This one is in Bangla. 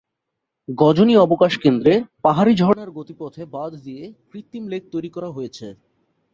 গজনী অবকাশ কেন্দ্রে পাহাড়ী ঝর্ণার গতিপথে বাধ দিয়ে কৃত্রিম লেক তৈরি করা হয়েছে।